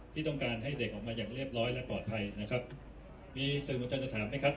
ที่ต้องการให้เด็กออกมาอย่างเรียบร้อยและปลอดภัยนะครับมีสื่อมวลชนจะถามไหมครับ